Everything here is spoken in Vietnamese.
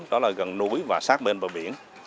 đó là gần núi và sát bên bờ biển